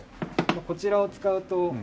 こちらを使うと。